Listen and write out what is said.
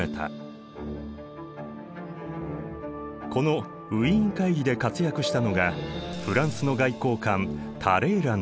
このウィーン会議で活躍したのがフランスの外交官タレーランだ。